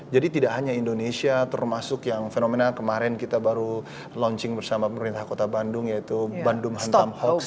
jadi tidak hanya indonesia termasuk yang fenomena kemarin kita baru launching bersama pemerintah kota bandung yaitu bandung hantam hoax